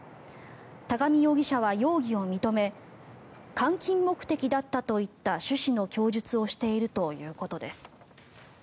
高見容疑者は容疑を認め換金目的だったといった趣旨の供述をしているということです。